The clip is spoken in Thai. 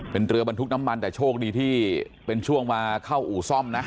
เป็นเรือบรรทุกน้ำมันแต่โชคดีที่เป็นช่วงมาเข้าอู่ซ่อมนะ